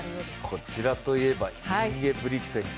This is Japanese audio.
こちらといえば、インゲブリクセン。